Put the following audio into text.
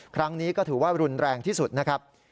ครั้งนี้ก็ถือว่ารุนแรงที่สุดนะครับ